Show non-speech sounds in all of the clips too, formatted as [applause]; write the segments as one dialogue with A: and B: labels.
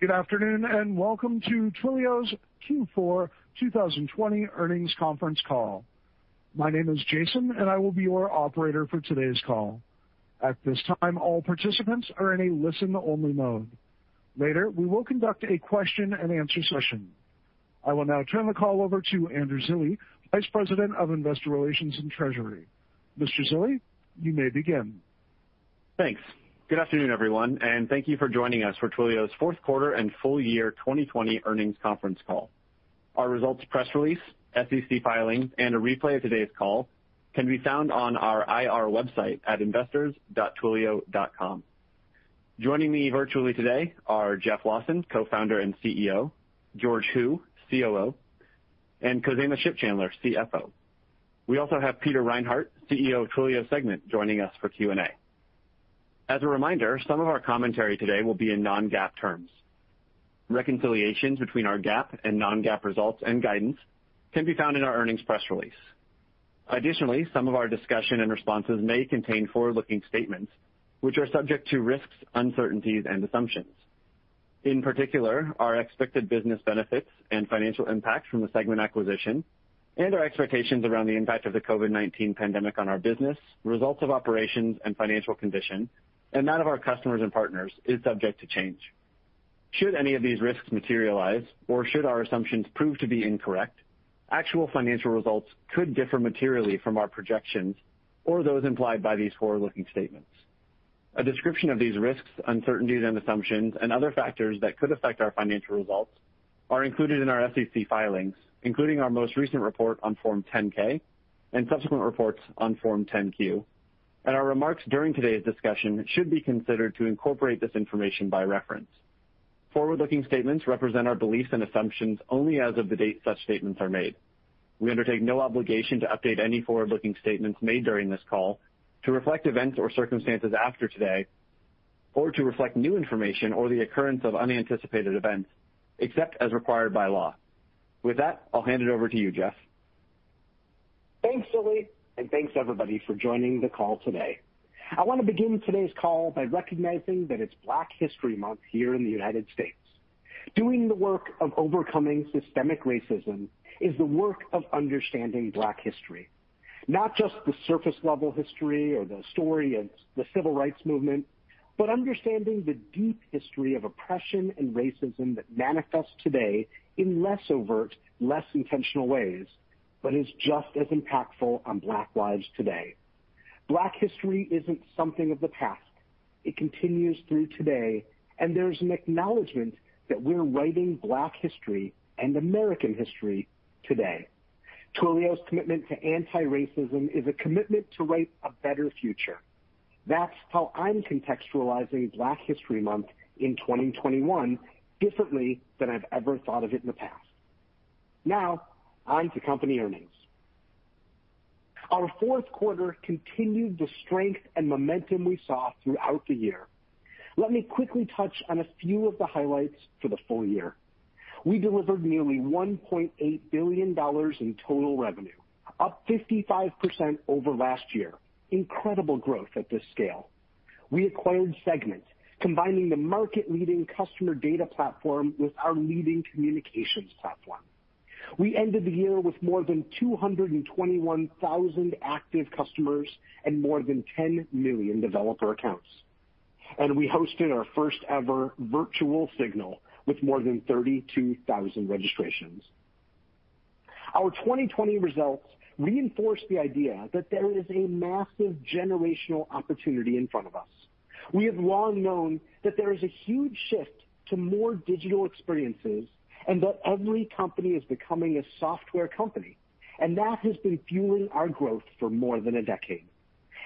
A: Good afternoon. Welcome to Twilio's Q4 2020 earnings conference call. My name is Jason, and I will be your operator for today's call. At this time, all participants are in a listen-only mode. Later, we will conduct a question and answer session. I will now turn the call over to Andrew Zilli, Vice President of Investor Relations and Treasurer. Mr. Zilli, you may begin.
B: Thanks. Good afternoon, everyone, thank you for joining us for Twilio's fourth quarter and full year 2020 earnings conference call. Our results press release, SEC filings, and a replay of today's call can be found on our IR website at investors.twilio.com. Joining me virtually today are Jeff Lawson, Co-Founder and CEO, George Hu, Chief Operating Officer, and Khozema Shipchandler, Chief Financial Officer. We also have Peter Reinhardt, CEO of Twilio Segment, joining us for Q&A. As a reminder, some of our commentary today will be in non-GAAP terms. Reconciliations between our GAAP and non-GAAP results and guidance can be found in our earnings press release. Some of our discussion and responses may contain forward-looking statements which are subject to risks, uncertainties, and assumptions. In particular, our expected business benefits and financial impact from the Segment acquisition and our expectations around the impact of the COVID-19 pandemic on our business, results of operations and financial condition, and that of our customers and partners, is subject to change. Should any of these risks materialize, or should our assumptions prove to be incorrect, actual financial results could differ materially from our projections or those implied by these forward-looking statements. A description of these risks, uncertainties, and assumptions and other factors that could affect our financial results are included in our SEC filings, including our most recent report on Form 10-K and subsequent reports on Form 10-Q, and our remarks during today's discussion should be considered to incorporate this information by reference. Forward-looking statements represent our beliefs and assumptions only as of the date such statements are made. We undertake no obligation to update any forward-looking statements made during this call to reflect events or circumstances after today or to reflect new information or the occurrence of unanticipated events, except as required by law. With that, I'll hand it over to you, Jeff.
C: Thanks, Zilli, and thanks, everybody, for joining the call today. I want to begin today's call by recognizing that it's Black History Month here in the United States Doing the work of overcoming systemic racism is the work of understanding Black history. Not just the surface-level history or the story of the civil rights movement, but understanding the deep history of oppression and racism that manifests today in less overt, less intentional ways, but is just as impactful on Black lives today. Black history isn't something of the past. It continues through today, and there's an acknowledgment that we're writing Black history and American history today. Twilio's commitment to anti-racism is a commitment to write a better future. That's how I'm contextualizing Black History Month in 2021 differently than I've ever thought of it in the past. Now, on to company earnings. Our fourth quarter continued the strength and momentum we saw throughout the year. Let me quickly touch on a few of the highlights for the full year. We delivered nearly $1.8 billion in total revenue, up 55% over last year. Incredible growth at this scale. We acquired Segment, combining the market-leading customer data platform with our leading communications platform. We ended the year with more than 221,000 active customers and more than 10 million developer accounts, and we hosted our first-ever virtual SIGNAL with more than 32,000 registrations. Our 2020 results reinforce the idea that there is a massive generational opportunity in front of us. We have long known that there is a huge shift to more digital experiences and that every company is becoming a software company, and that has been fueling our growth for more than a decade.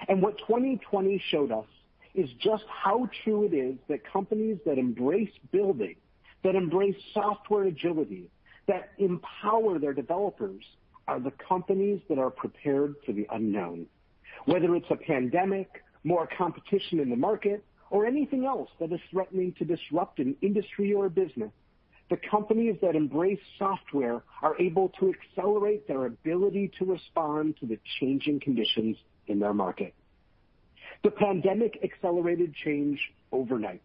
C: What 2020 showed us is just how true it is that companies that embrace building, that embrace software agility, that empower their developers, are the companies that are prepared for the unknown. Whether it's a pandemic, more competition in the market, or anything else that is threatening to disrupt an industry or a business, the companies that embrace software are able to accelerate their ability to respond to the changing conditions in their market. The pandemic accelerated change overnight.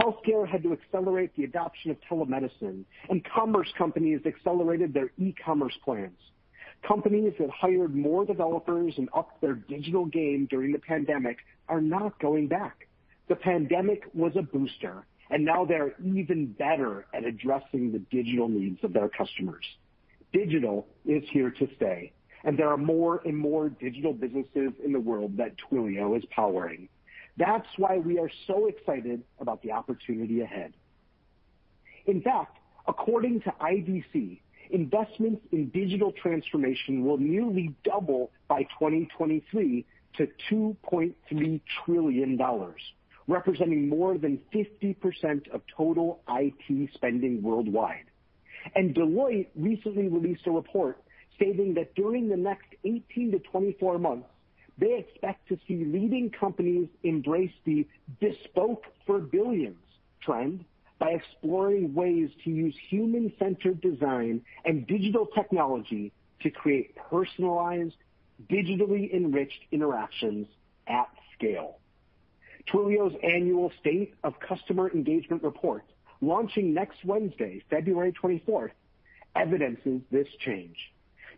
C: Healthcare had to accelerate the adoption of telemedicine and commerce companies accelerated their e-commerce plans. Companies that hired more developers and upped their digital game during the pandemic are not going back. The pandemic was a booster, and now they're even better at addressing the digital needs of their customers. Digital is here to stay, and there are more and more digital businesses in the world that Twilio is powering. That's why we are so excited about the opportunity ahead. In fact, according to IDC, investments in digital transformation will nearly double by 2023 to $2.3 trillion, representing more than 50% of total IT spending worldwide. Deloitte recently released a report stating that during the next 18-24 months, they expect to see leading companies embrace the bespoke for billions trend by exploring ways to use human-centered design and digital technology to create personalized, digitally enriched interactions at scale. Twilio's annual State of Customer Engagement Report, launching next Wednesday, February 24th, evidences this change.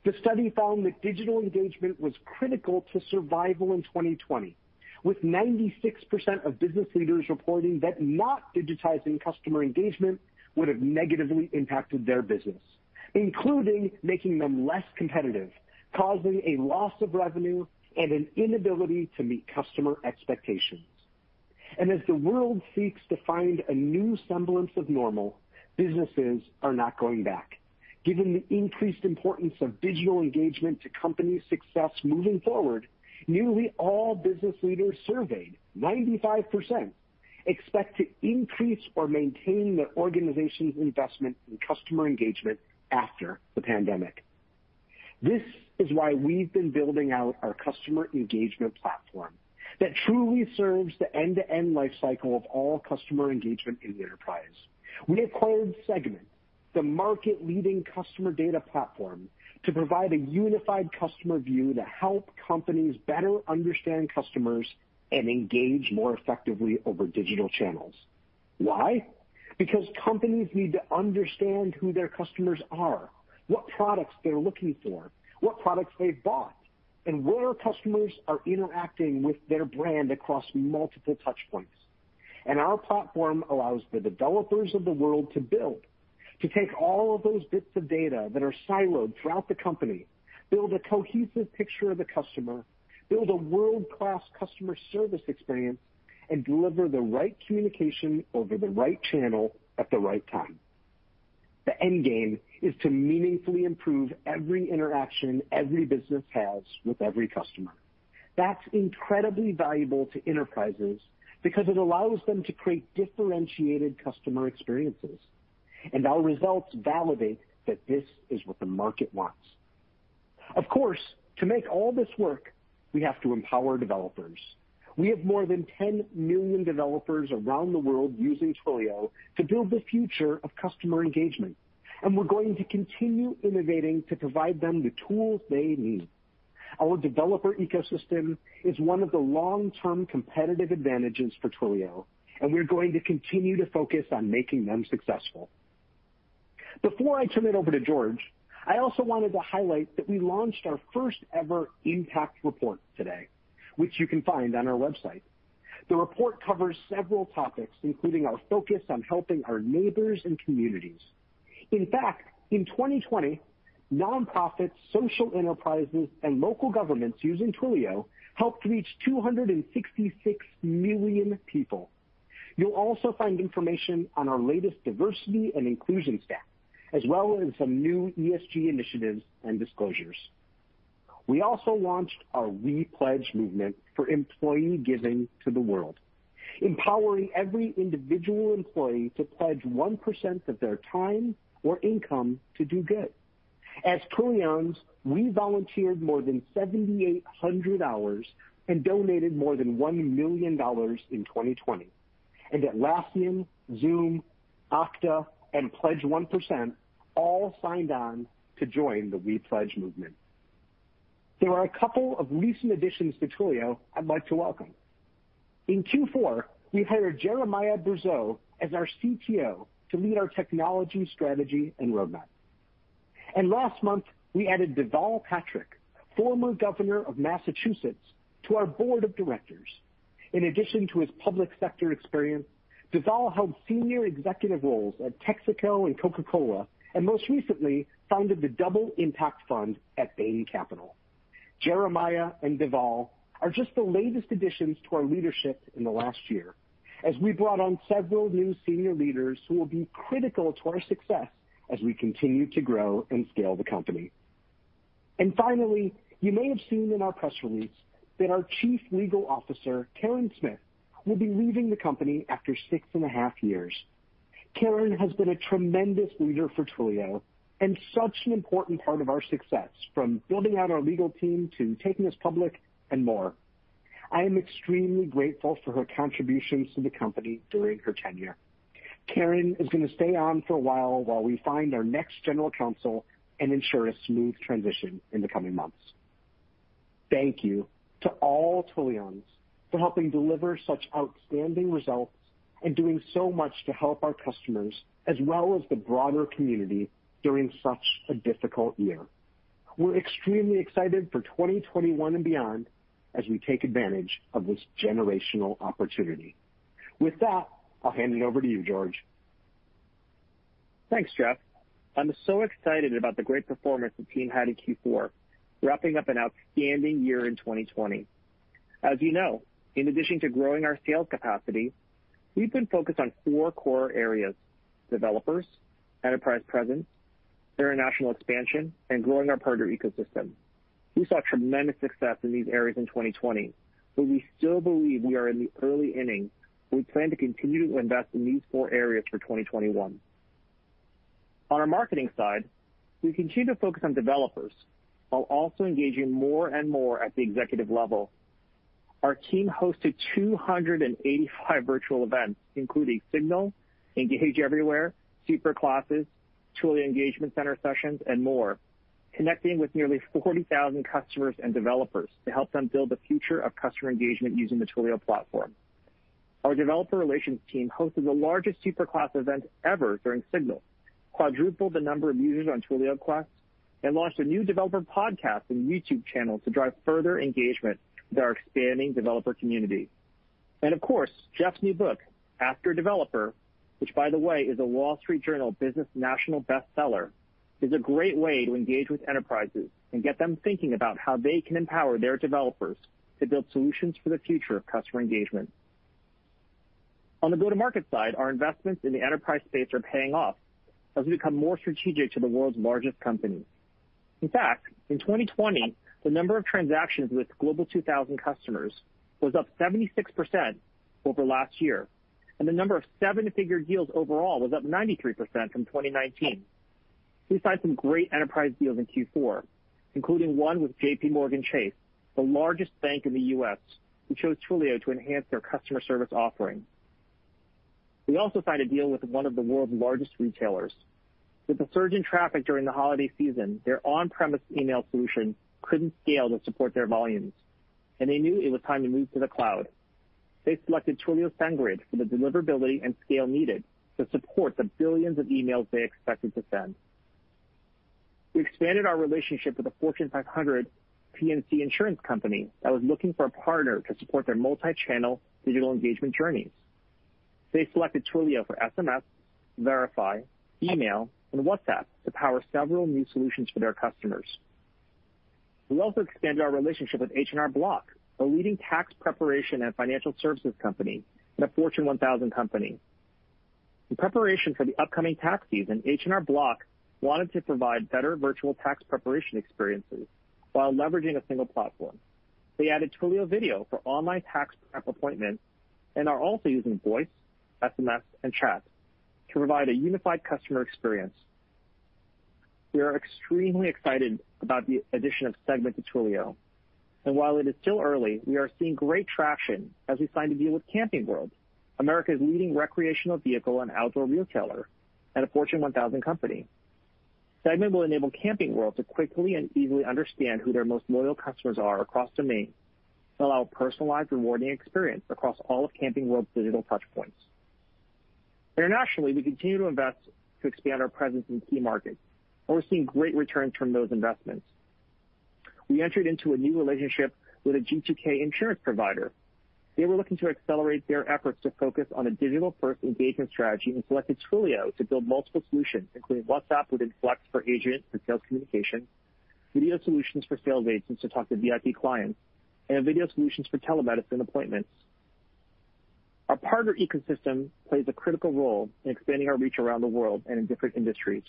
C: The study found that digital engagement was critical to survival in 2020, with 96% of business leaders reporting that not digitizing customer engagement would've negatively impacted their business, including making them less competitive, causing a loss of revenue, and an inability to meet customer expectations. As the world seeks to find a new semblance of normal, businesses are not going back. Given the increased importance of digital engagement to company success moving forward, nearly all business leaders surveyed, 95%, expect to increase or maintain their organization's investment in customer engagement after the pandemic. This is why we've been building out our customer engagement platform that truly serves the end-to-end life cycle of all customer engagement in the enterprise. We have called Segment the market-leading customer data platform to provide a unified customer view to help companies better understand customers and engage more effectively over digital channels. Why? Because companies need to understand who their customers are, what products they're looking for, what products they've bought, and where customers are interacting with their brand across multiple touchpoints. Our platform allows the developers of the world to build, to take all of those bits of data that are siloed throughout the company, build a cohesive picture of the customer, build a world-class customer service experience, and deliver the right communication over the right channel at the right time. The end game is to meaningfully improve every interaction every business has with every customer. That's incredibly valuable to enterprises because it allows them to create differentiated customer experiences, and our results validate that this is what the market wants. Of course, to make all this work, we have to empower developers. We have more than 10 million developers around the world using Twilio to build the future of customer engagement, and we're going to continue innovating to provide them the tools they need. Our developer ecosystem is one of the long-term competitive advantages for Twilio, and we're going to continue to focus on making them successful. Before I turn it over to George, I also wanted to highlight that we launched our first ever impact report today, which you can find on our website. The report covers several topics, including our focus on helping our neighbors and communities. In fact, in 2020, nonprofits, social enterprises, and local governments using Twilio helped reach 266 million people. You'll also find information on our latest diversity and inclusion stats, as well as some new ESG initiatives and disclosures. We also launched our WePledge movement for employee giving to the world, empowering every individual employee to pledge 1% of their time or income to do good. As Twilions, we volunteered more than 7,800 hours and donated more than $1 million in 2020. Atlassian, Zoom, Okta, and Pledge 1% all signed on to join the WePledge movement. There are a couple of recent additions to Twilio I'd like to welcome. In Q4, we hired Jeremiah Brazeau as our CTO to lead our technology, strategy, and roadmap. Last month, we added Deval Patrick, former Governor of Massachusetts, to our board of directors. In addition to his public sector experience, Deval held senior executive roles at Texaco and Coca-Cola, and most recently, founded the Double Impact Fund at Bain Capital. Jeremiah and Deval are just the latest additions to our leadership in the last year, as we brought on several new senior leaders who will be critical to our success as we continue to grow and scale the company. Finally, you may have seen in our press release that our Chief Legal Officer, Karyn Smith, will be leaving the company after 6.5 years. Karyn has been a tremendous leader for Twilio and such an important part of our success, from building out our legal team to taking us public and more. I am extremely grateful for her contributions to the company during her tenure. Karyn is going to stay on for a while we find our next general counsel and ensure a smooth transition in the coming months. Thank you to all Twilions for helping deliver such outstanding results and doing so much to help our customers, as well as the broader community, during such a difficult year. We're extremely excited for 2021 and beyond as we take advantage of this generational opportunity. With that, I'll hand it over to you, George.
D: Thanks, Jeff. I'm so excited about the great performance the team had in Q4, wrapping up an outstanding year in 2020. As you know, in addition to growing our sales capacity, we've been focused on four core areas, developers, enterprise presence, international expansion, and growing our partner ecosystem. We saw tremendous success in these areas in 2020. We still believe we are in the early innings. We plan to continue to invest in these four areas for 2021. On our marketing side, we continue to focus on developers while also engaging more and more at the executive level. Our team hosted 285 virtual events, including SIGNAL, Engage Everywhere, Superclasses, Twilio Engagement Center sessions, and more, connecting with nearly 40,000 customers and developers to help them build the future of customer engagement using the Twilio platform. Our developer relations team hosted the largest Superclass event ever during SIGNAL, quadrupled the number of users on Twilio Flex, and launched a new developer podcast and YouTube channel to drive further engagement with our expanding developer community. Of course, Jeff's new book, Ask Your Developer, which, by the way, is a Wall Street Journal business national bestseller, is a great way to engage with enterprises and get them thinking about how they can empower their developers to build solutions for the future of customer engagement. On the go-to-market side, our investments in the enterprise space are paying off as we become more strategic to the world's largest companies. In fact, in 2020, the number of transactions with Global 2000 customers was up 76% over last year, and the number of seven-figure deals overall was up 93% from 2019. We signed some great enterprise deals in Q4, including one with JPMorgan Chase, the largest bank in the U.S., who chose Twilio to enhance their customer service offering. We also signed a deal with one of the world's largest retailers. With the surge in traffic during the holiday season, their on-premise email solution couldn't scale to support their volumes, and they knew it was time to move to the cloud. They selected Twilio SendGrid for the deliverability and scale needed to support the billions of emails they expected to send. We expanded our relationship with a Fortune 500 P&C insurance company that was looking for a partner to support their multi-channel digital engagement journeys. They selected Twilio for SMS, Verify, email, and WhatsApp to power several new solutions for their customers. We also expanded our relationship with H&R Block, a leading tax preparation and financial services company, and a Fortune 1000 company. In preparation for the upcoming tax season, H&R Block wanted to provide better virtual tax preparation experiences while leveraging a single platform. They added Twilio Video for online tax prep appointments and are also using Voice, SMS, and Chat to provide a unified customer experience. While it is still early, we are seeing great traction as we signed a deal with Camping World, America's leading recreational vehicle and outdoor retailer, and a Fortune 1000 company. Segment will enable Camping World to quickly and easily understand who their most loyal customers are across domains to allow a personalized, rewarding experience across all of Camping World's digital touchpoints. Internationally, we continue to invest to expand our presence in key markets, and we're seeing great returns from those investments. We entered into a new relationship with a G2K insurance provider. They were looking to accelerate their efforts to focus on a digital-first engagement strategy and selected Twilio to build multiple solutions, including WhatsApp within Flex for agents and sales communication, video solutions for sales agents to talk to VIP clients, and video solutions for telemedicine appointments. Our partner ecosystem plays a critical role in expanding our reach around the world and in different industries.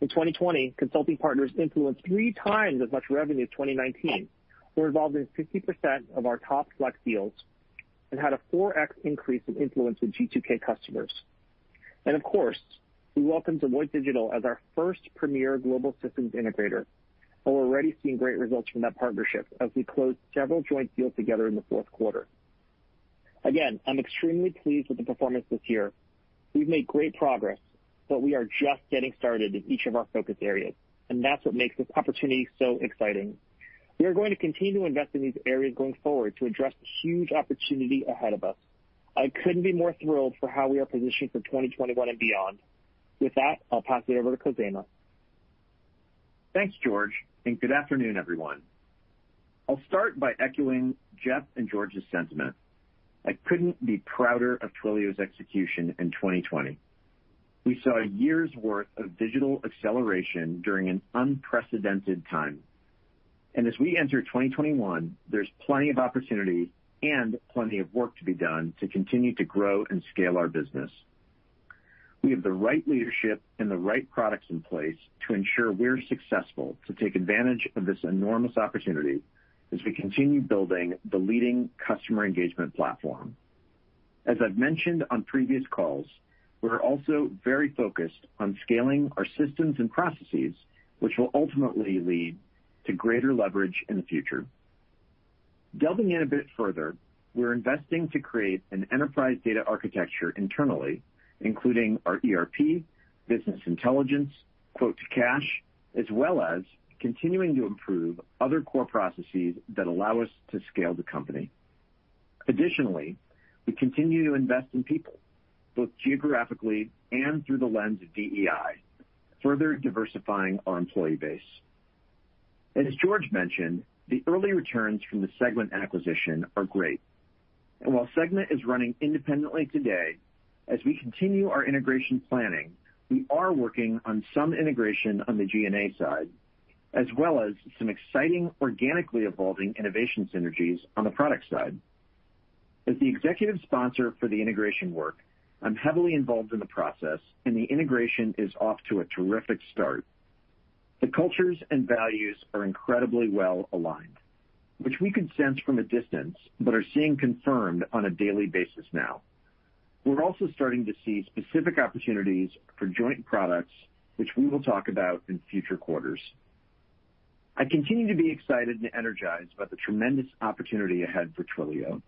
D: In 2020, consulting partners influenced three times as much revenue as 2019, were involved in 50% of our top Flex deals, and had a 4x increase in influence with G2K customers. Of course, we welcome Deloitte Digital as our first premier global systems integrator, and we're already seeing great results from that partnership as we closed several joint deals together in the fourth quarter. Again, I'm extremely pleased with the performance this year. We've made great progress, we are just getting started in each of our focus areas, and that's what makes this opportunity so exciting. We are going to continue to invest in these areas going forward to address the huge opportunity ahead of us. I couldn't be more thrilled for how we are positioned for 2021 and beyond. With that, I'll pass it over to Khozema.
E: Thanks, George. Good afternoon, everyone. I'll start by echoing Jeff and George's sentiment. I couldn't be prouder of Twilio's execution in 2020. We saw a year's worth of digital acceleration during an unprecedented time. As we enter 2021, there's plenty of opportunity and plenty of work to be done to continue to grow and scale our business. We have the right leadership and the right products in place to ensure we're successful to take advantage of this enormous opportunity as we continue building the leading customer engagement platform. As I've mentioned on previous calls, we're also very focused on scaling our systems and processes, which will ultimately lead to greater leverage in the future. Delving in a bit further, we're investing to create an enterprise data architecture internally, including our ERP, business intelligence, quote-to-cash, as well as continuing to improve other core processes that allow us to scale the company. Additionally, we continue to invest in people, both geographically and through the lens of DEI, further diversifying our employee base. As George mentioned, the early returns from the Segment acquisition are great. While Segment is running independently today, as we continue our integration planning, we are working on some integration on the G&A side, as well as some exciting organically evolving innovation synergies on the product side. As the executive sponsor for the integration work, I'm heavily involved in the process, and the integration is off to a terrific start. The cultures and values are incredibly well aligned, which we could sense from a distance, but are seeing confirmed on a daily basis now. We're also starting to see specific opportunities for joint products, which we will talk about in future quarters. I continue to be excited and energized about the tremendous opportunity ahead for Twilio.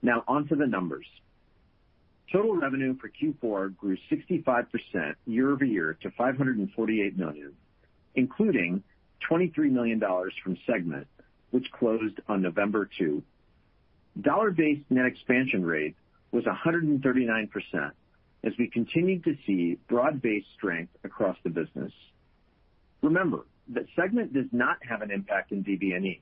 E: Now, onto the numbers. Total revenue for Q4 grew 65% year-over-year to $548 million, including $23 million from Segment, which closed on November 2. Dollar-based net expansion rate was 139%, as we continued to see broad-based strength across the business. Remember that Segment does not have an impact in DBNE.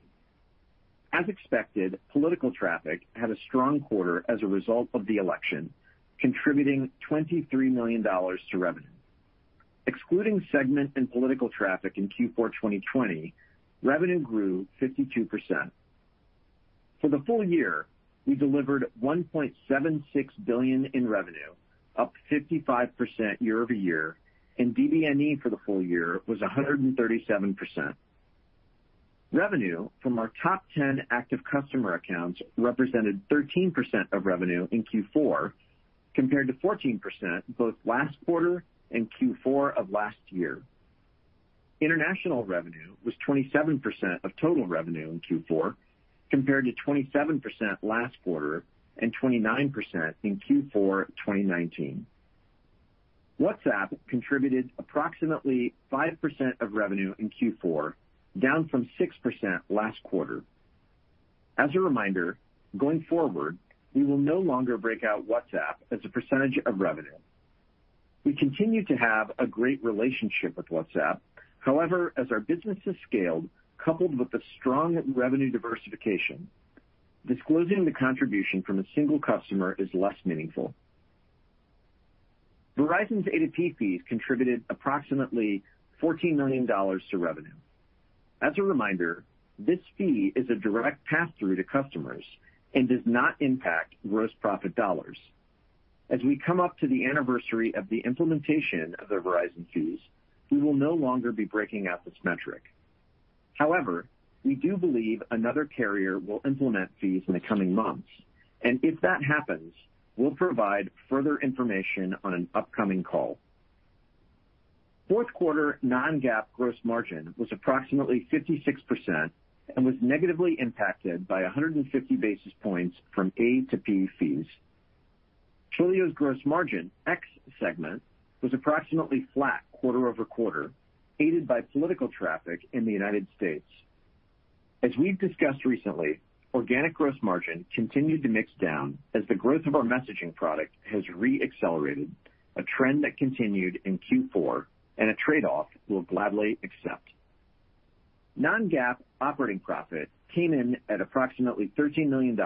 E: As expected, political traffic had a strong quarter as a result of the election, contributing $23 million to revenue. Excluding Segment and political traffic in Q4 2020, revenue grew 52%. For the full year, we delivered $1.76 billion in revenue, up 55% year-over-year. DBNE for the full year was 137%. Revenue from our top 10 active customer accounts represented 13% of revenue in Q4, compared to 14% both last quarter and Q4 of last year. International revenue was 27% of total revenue in Q4, compared to 27% last quarter and 29% in Q4 2019. WhatsApp contributed approximately 5% of revenue in Q4, down from 6% last quarter. As a reminder, going forward, we will no longer break out WhatsApp as a percentage of revenue. We continue to have a great relationship with WhatsApp. As our business has scaled, coupled with the strong revenue diversification, disclosing the contribution from a single customer is less meaningful. Verizon's A2P fees contributed approximately $14 million to revenue. As a reminder, this fee is a direct pass-through to customers and does not impact gross profit dollars. As we come up to the anniversary of the implementation of the Verizon fees, we will no longer be breaking out this metric. However, we do believe another carrier will implement fees in the coming months, and if that happens, we'll provide further information on an upcoming call. Fourth quarter non-GAAP gross margin was approximately 56% and was negatively impacted by 150 basis points from A2P fees. Twilio's gross margin, ex-Segment, was approximately flat quarter-over-quarter, aided by political traffic in the United States As we've discussed recently, organic gross margin continued to mix down as the growth of our messaging product has re-accelerated, a trend continued in Q4, and a trade-off we'll gladly accept. Non-GAAP operating profit came in at approximately $13 million,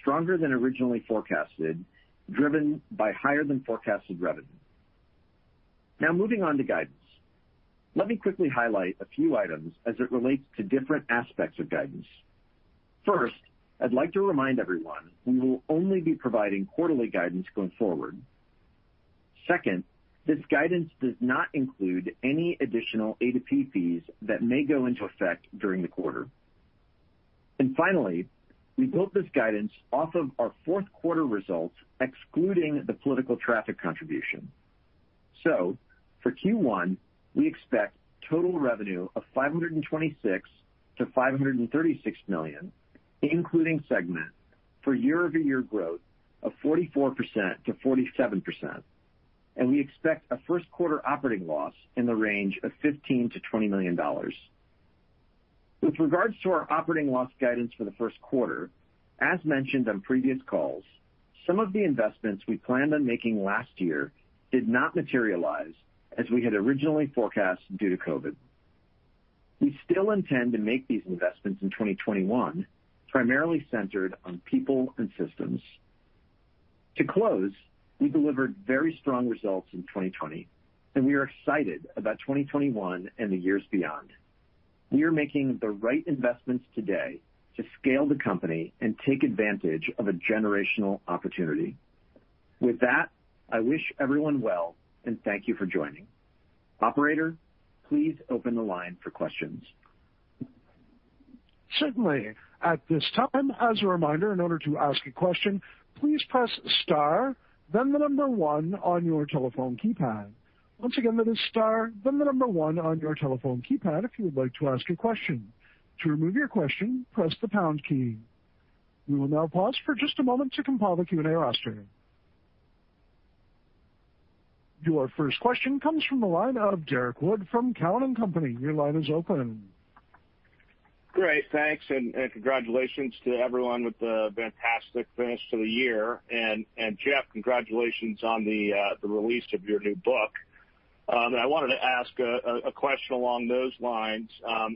E: stronger than originally forecasted, driven by higher than forecasted revenue. Moving on to guidance. Let me quickly highlight a few items as it relates to different aspects of guidance. First, I'd like to remind everyone we will only be providing quarterly guidance going forward. Second, this guidance does not include any additional A2P fees that may go into effect during the quarter. Finally, we built this guidance off of our fourth quarter results, excluding the political traffic contribution. For Q1, we expect total revenue of $526 million-$536 million, including Segment, for year-over-year growth of 44%-47%, and we expect a first quarter operating loss in the range of $15 million-$20 million. With regards to our operating loss guidance for the first quarter, as mentioned on previous calls, some of the investments we planned on making last year did not materialize as we had originally forecasted due to COVID. We still intend to make these investments in 2021, primarily centered on people and systems. To close, we delivered very strong results in 2020, and we are excited about 2021 and the years beyond. We are making the right investments today to scale the company and take advantage of a generational opportunity. With that, I wish everyone well, and thank you for joining. Operator, please open the line for questions.
A: Certainly. At this time, as a reminder, in order to ask a question, please press star, then the number one on your telephone keypad. Once again, that is star, then the number one on your telephone keypad if you would like to ask a question. To remove your question, press the pound key. We will now pause for just a moment to compile the Q&A roster. Your first question comes from the line of Derrick Wood from Cowen and Company. Your line is open.
F: Great. Thanks. Congratulations to everyone with the fantastic finish to the year. Jeff, congratulations on the release of your new book. I wanted to ask a question along those lines.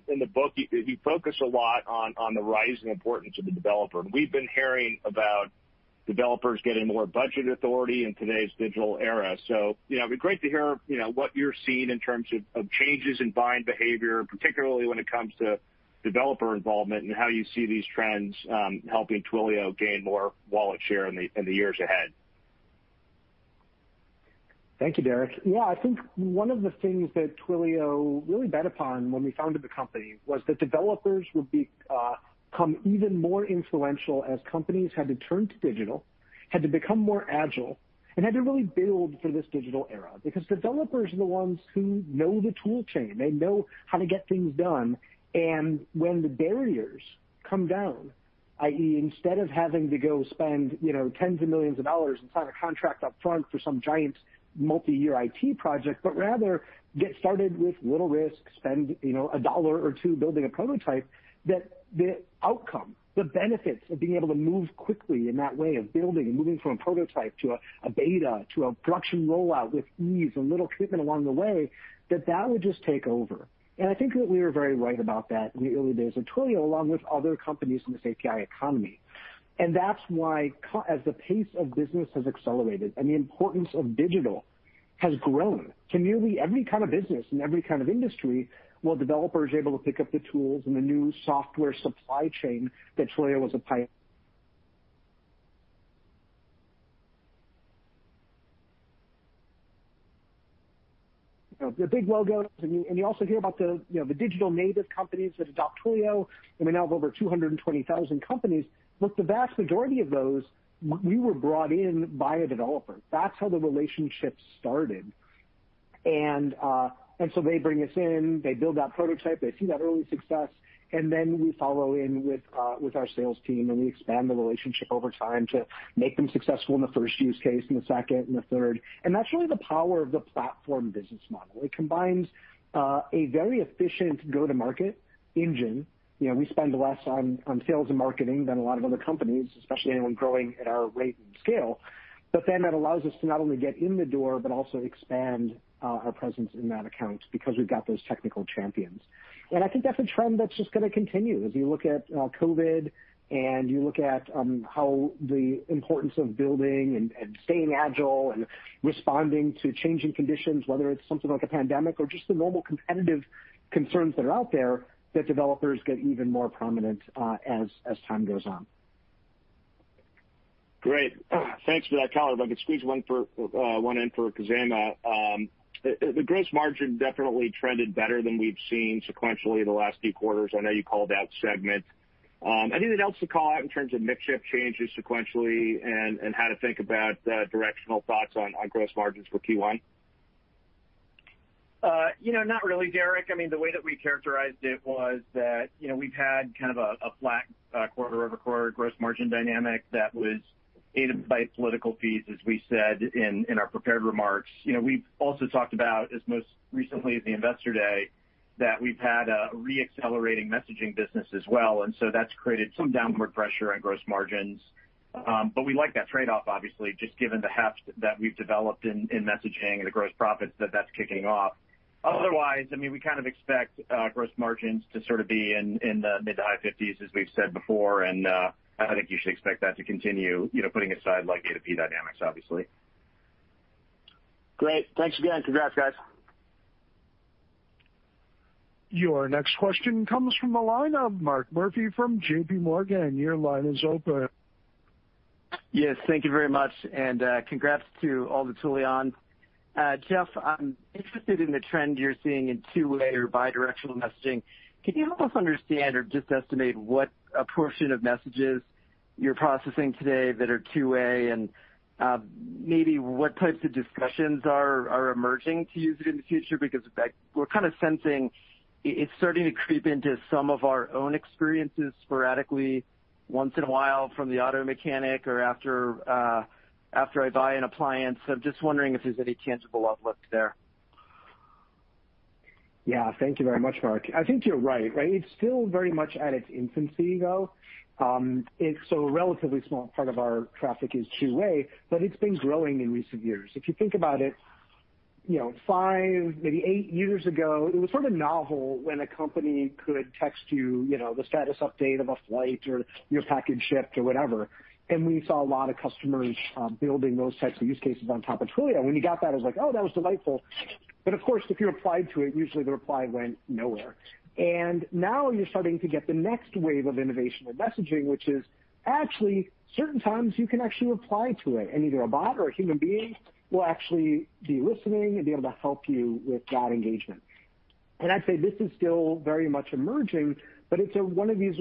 F: In the book, you focus a lot on the rising importance of the developer, and we've been hearing about developers getting more budget authority in today's digital era. It'd be great to hear what you're seeing in terms of changes in buying behavior, particularly when it comes to developer involvement and how you see these trends helping Twilio gain more wallet share in the years ahead.
C: Thank you, Derrick. Yeah, I think one of the things that Twilio really bet upon when we founded the company was that developers would become even more influential as companies had to turn to digital, had to become more agile, and had to really build for this digital era. Because developers are the ones who know the tool chain, they know how to get things done. When the barriers come down, i.e., instead of having to go spend tens of millions of dollars and sign a contract up front for some giant multi-year IT project, but rather get started with little risk, spend a dollar or two building a prototype, that the outcome, the benefits of being able to move quickly in that way of building and moving from a prototype to a beta to a production rollout with ease and little treatment along the way, that that would just take over. I think that we were very right about that in the early days of Twilio, along with other companies in this API economy. That's why as the pace of business has accelerated and the importance of digital has grown to nearly every kind of business and every kind of industry, well, developers are able to pick up the tools and the new software supply chain that Twilio was. [audio distortion] The big logos. You also hear about the digital native companies that adopt Twilio. We now have over 220,000 companies. The vast majority of those, we were brought in by a developer. That's how the relationship started. They bring us in, they build that prototype, they see that early success, then we follow in with our sales team, and we expand the relationship over time to make them successful in the first use case, in the second, and the third. That's really the power of the platform business model. It combines a very efficient go-to-market engine. We spend less on sales and marketing than a lot of other companies, especially anyone growing at our rate and scale. That allows us to not only get in the door, but also expand our presence in that account because we've got those technical champions. I think that's a trend that's just going to continue. As you look at COVID and you look at how the importance of building and staying agile and responding to changing conditions, whether it's something like a pandemic or just the normal competitive concerns that are out there, that developers get even more prominent as time goes on.
F: Great. Thanks for that color. If I could squeeze one in for Khozema. The gross margin definitely trended better than we've seen sequentially the last few quarters. I know you called out Segment. Anything else to call out in terms of mix shift changes sequentially and how to think about directional thoughts on gross margins for Q1?
E: Not really, Derrick. The way that we characterized it was that we've had kind of a flat quarter-over-quarter gross margin dynamic that was aided by political fees, as we said in our prepared remarks. We've also talked about, as most recently at the Investor Day, that we've had a re-accelerating messaging business as well, that's created some downward pressure on gross margins. We like that trade-off, obviously, just given the habits that we've developed in messaging and the gross profits that that's kicking off. Otherwise, we kind of expect gross margins to sort of be in the mid to high 50s, as we've said before, and I think you should expect that to continue, putting aside like A2P dynamics, obviously.
F: Great. Thanks again. Congrats, guys.
A: Your next question comes from the line of Mark Murphy from JPMorgan. Your line is open.
G: Yes, thank you very much, and congrats to all the Twilions. Jeff, I'm interested in the trend you're seeing in two-way or bi-directional messaging. Can you help us understand or just estimate what a portion of messages you're processing today that are two-way, and maybe what types of discussions are emerging to use it in the future? In fact, we're kind of sensing it's starting to creep into some of our own experiences sporadically once in a while from the auto mechanic or after I buy an appliance. I'm just wondering if there's any tangible outlook there.
C: Yeah. Thank you very much, Mark. I think you're right. It's still very much at its infancy, though. A relatively small part of our traffic is two-way, but it's been growing in recent years. If you think about it, five, maybe eight years ago, it was sort of novel when a company could text you the status update of a flight or your package shipped or whatever, and we saw a lot of customers building those types of use cases on top of Twilio, and when you got that, it was like, oh, that was delightful. Of course, if you replied to it, usually the reply went nowhere. Now you're starting to get the next wave of innovation with messaging, which is actually certain times you can actually reply to it, and either a bot or a human being will actually be listening and be able to help you with that engagement. I'd say this is still very much emerging, but it's one of these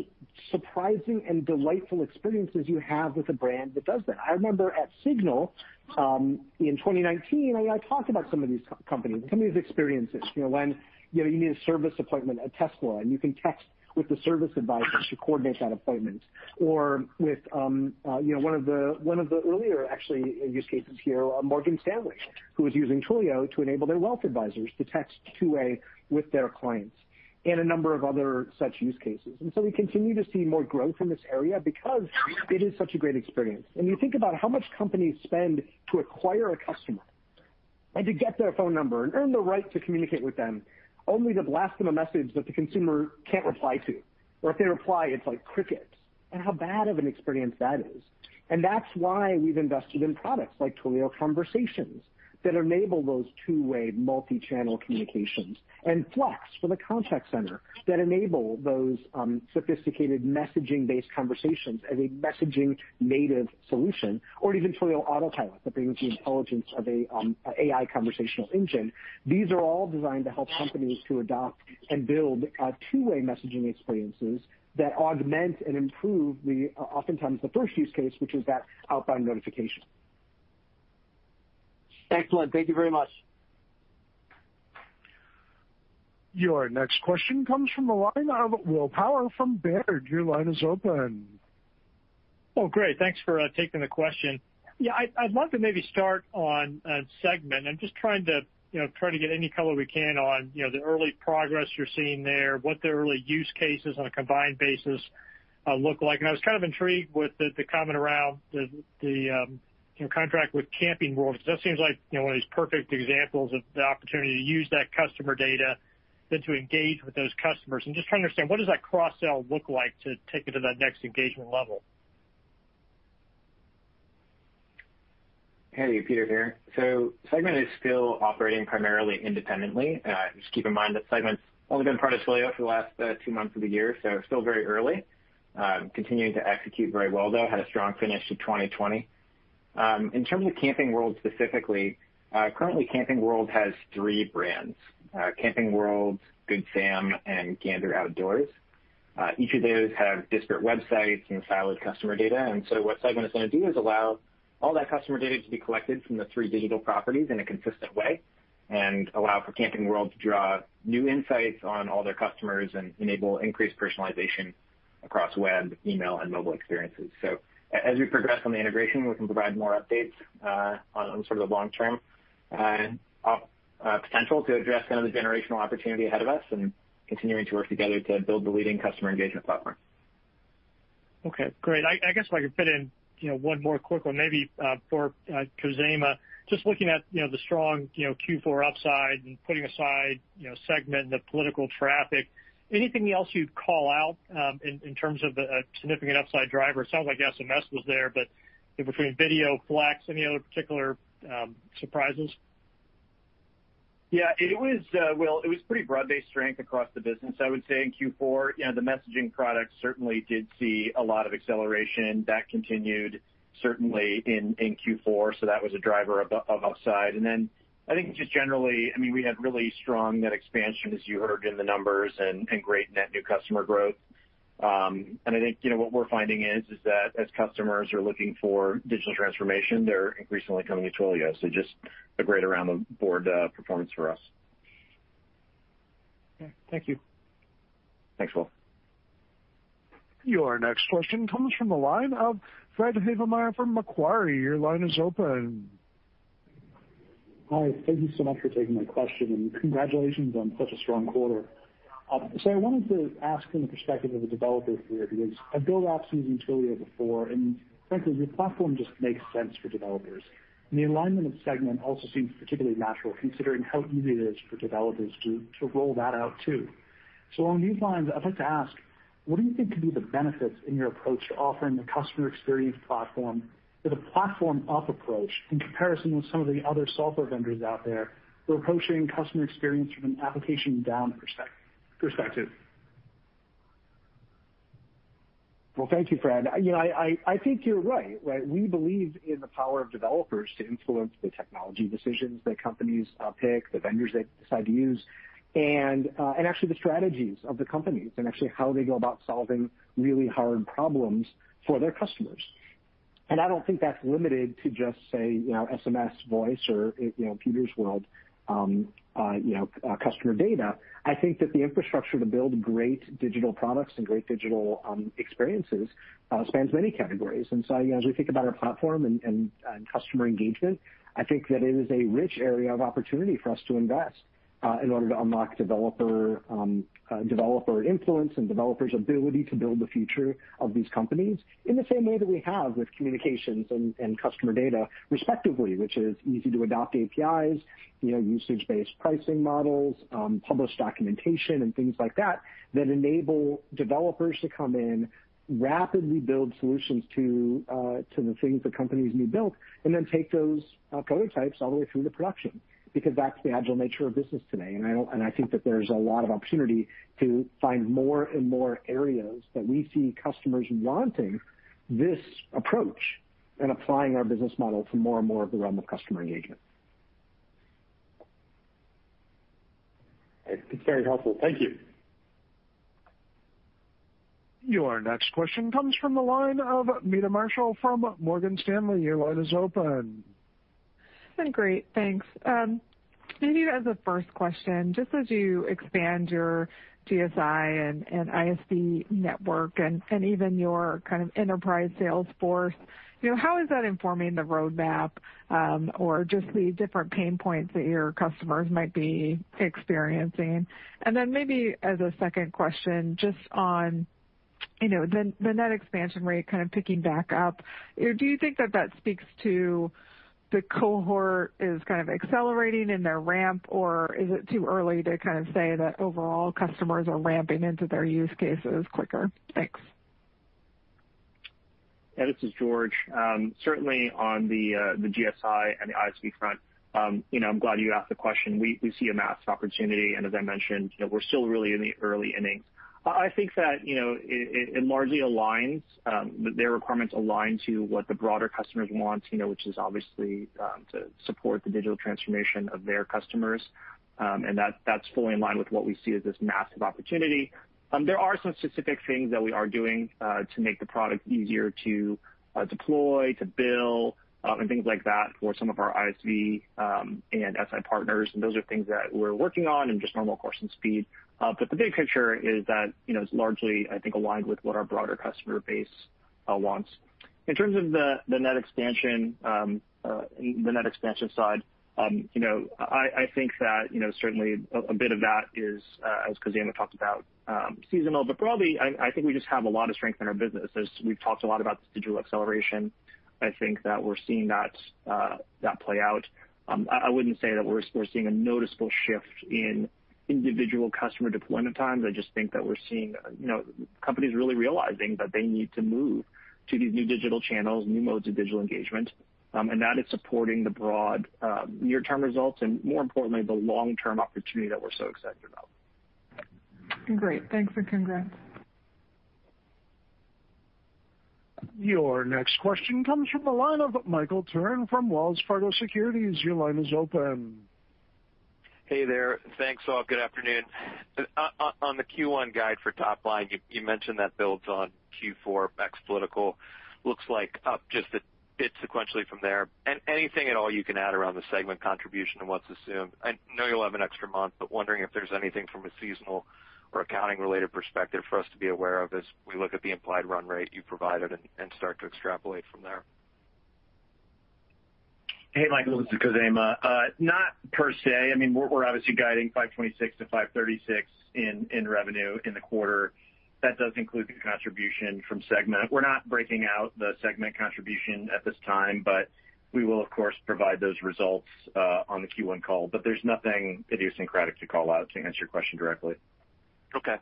C: surprising and delightful experiences you have with a brand that does that. I remember at SIGNAL in 2019, I talked about some of these companies, some of these experiences. When you need a service appointment at Tesla, and you can text with the service advisor to coordinate that appointment, or with one of the earlier, actually, use cases here, Morgan Stanley, who is using Twilio to enable their wealth advisors to text two-way with their clients, and a number of other such use cases. We continue to see more growth in this area because it is such a great experience. When you think about how much companies spend to acquire a customer and to get their phone number and earn the right to communicate with them, only to blast them a message that the consumer can't reply to, or if they reply, it's like crickets, and how bad of an experience that is. That's why we've invested in products like Twilio Conversations that enable those two-way multi-channel communications, and Flex for the contact center that enable those sophisticated messaging-based conversations as a messaging-native solution, or even Twilio Autopilot that brings the intelligence of an AI conversational engine. These are all designed to help companies to adopt and build two-way messaging experiences that augment and improve oftentimes the first use case, which is that outbound notification. Excellent. Thank you very much.
A: Your next question comes from the line of Will Power from Baird. Your line is open.
H: Oh, great. Thanks for taking the question. Yeah, I'd love to maybe start on Segment. I'm just trying to get any color we can on the early progress you're seeing there, what the early use cases on a combined basis look like. I was kind of intrigued with the comment around the contract with Camping World. That seems like one of these perfect examples of the opportunity to use that customer data, then to engage with those customers. I'm just trying to understand what does that cross-sell look like to take it to that next engagement level?
I: Hey, Peter here. Segment is still operating primarily independently. Just keep in mind that Segment's only been part of Twilio for the last two months of the year, still very early. Continuing to execute very well, though. Had a strong finish to 2020. In terms of Camping World specifically, currently Camping World has three brands, Camping World, Good Sam, and Gander Outdoors. Each of those have disparate websites and siloed customer data. What Segment is going to do is allow all that customer data to be collected from the three digital properties in a consistent way and allow for Camping World to draw new insights on all their customers and enable increased personalization across web, email, and mobile experiences. As we progress on the integration, we can provide more updates on sort of the long-term potential to address the generational opportunity ahead of us and continuing to work together to build the leading customer engagement platform.
H: Okay, great. I guess if I could fit in one more quick one, maybe for Khozema. Just looking at the strong Q4 upside and putting aside Segment and the political traffic, anything else you'd call out in terms of a significant upside driver? It sounds like SMS was there, but between Video, Flex, any other particular surprises?
E: Will, it was pretty broad-based strength across the business, I would say, in Q4. The messaging product certainly did see a lot of acceleration. That continued certainly in Q4. That was a driver of upside. I think just generally, we had really strong net expansion, as you heard in the numbers, and great net new customer growth. I think what we're finding is that as customers are looking for digital transformation, they're increasingly coming to Twilio. Just a great around the board performance for us.
H: Okay. Thank you.
E: Thanks, Will.
A: Your next question comes from the line of Fred Havemeyer from Macquarie. Your line is open.
J: Hi. Thank you so much for taking my question, congratulations on such a strong quarter. I wanted to ask from the perspective of a developer for you, because I've built apps using Twilio before, and frankly, your platform just makes sense for developers. The alignment of Segment also seems particularly natural, considering how easy it is for developers to roll that out, too. Along these lines, I'd like to ask, what do you think could be the benefits in your approach to offering the customer experience platform with a platform-up approach in comparison with some of the other software vendors out there who are approaching customer experience from an application-down perspective?
C: Well, thank you, Fred. I think you're right. We believe in the power of developers to influence the technology decisions that companies pick, the vendors they decide to use, and actually the strategies of the companies, and actually how they go about solving really hard problems for their customers. I don't think that's limited to just, say, SMS, voice, or computers world, customer data. I think that the infrastructure to build great digital products and great digital experiences spans many categories. As we think about our platform and customer engagement, I think that it is a rich area of opportunity for us to invest in order to unlock developer influence and developers' ability to build the future of these companies in the same way that we have with communications and customer data, respectively. Which is easy to adopt APIs, usage-based pricing models, published documentation, and things like that enable developers to come in, rapidly build solutions to the things that companies need built, and then take those prototypes all the way through to production, because that's the agile nature of business today. I think that there's a lot of opportunity to find more and more areas that we see customers wanting this approach and applying our business model to more and more of the realm of customer engagement.
J: It's very helpful. Thank you.
A: Your next question comes from the line of Meta Marshall from Morgan Stanley. Your line is open.
K: Great, thanks. As a first question, just as you expand your GSI and ISV network and even your kind of enterprise sales force, how is that informing the roadmap? Just the different pain points that your customers might be experiencing. Then as a second question, just on the net expansion rate kind of picking back up. Do you think that that speaks to the cohort is kind of accelerating in their ramp, or is it too early to kind of say that overall customers are ramping into their use cases quicker? Thanks.
D: Yeah, this is George. Certainly on the GSI and the ISV front, I'm glad you asked the question. We see a massive opportunity, and as I mentioned, we're still really in the early innings. I think that it largely aligns, their requirements align to what the broader customers want, which is obviously to support the digital transformation of their customers. That's fully in line with what we see as this massive opportunity. There are some specific things that we are doing to make the product easier to deploy, to bill, and things like that for some of our ISV and SI partners, and those are things that we're working on in just normal course and speed. The big picture is that it's largely, I think, aligned with what our broader customer base. Wants. In terms of the net expansion side, I think that certainly a bit of that is, as Khozema talked about, seasonal. Probably, I think we just have a lot of strength in our business. As we've talked a lot about digital acceleration, I think that we're seeing that play out. I wouldn't say that we're seeing a noticeable shift in individual customer deployment times. I just think that we're seeing companies really realizing that they need to move to these new digital channels, new modes of digital engagement, and that is supporting the broad near-term results and more importantly, the long-term opportunity that we're so excited about.
K: Great. Thanks and congrats.
A: Your next question comes from the line of Michael Turrin from Wells Fargo Securities. Your line is open.
L: Hey there. Thanks all. Good afternoon. On the Q1 guide for top line, you mentioned that builds on Q4 ex political. Looks like up just a bit sequentially from there. Anything at all you can add around the Segment contribution and what's assumed? I know you'll have an extra month, wondering if there's anything from a seasonal or accounting-related perspective for us to be aware of as we look at the implied run rate you provided and start to extrapolate from there.
E: Hey, Michael, this is Khozema. Not per se. We're obviously guiding $526 million-$536 million in revenue in the quarter. That does include the contribution from Segment. We're not breaking out the Segment contribution at this time. We will, of course, provide those results on the Q1 call. There's nothing idiosyncratic to call out, to answer your question directly.
L: Okay.